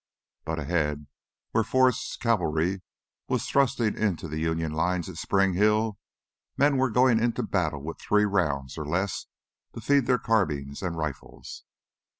But ahead, where Forrest's cavalry was thrusting into the Union lines at Spring Hill, men were going into battle with three rounds or less to feed their carbines and rifles.